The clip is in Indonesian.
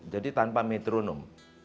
jadi tanpa metronom